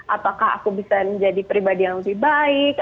apakah aku bisa menjadi pribadi yang lebih baik